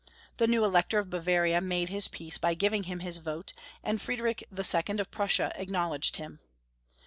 The new Elector of Bavaria made his peace by giving him his vote, and Friedrich II. of Prussia acknowl edged him.